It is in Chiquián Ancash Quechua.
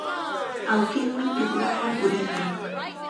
Awkinmi tukrunwan puriykan.